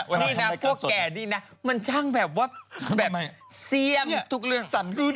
พวกแกนี่นะมันช่างแบบว่าแซมทุกเรื่อง